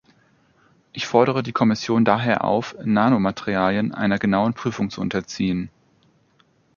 Ich fordere die Kommission daher auf, Nanomaterialien einer genauen Prüfung zu unterziehen.